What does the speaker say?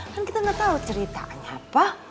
kan kita nggak tahu ceritanya apa